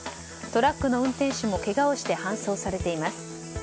トラックの運転手もけがをして搬送されています。